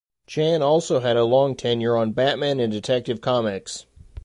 Chan also had a long tenure on "Batman" and "Detective Comics".